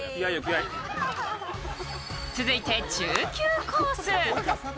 続いて中級コース。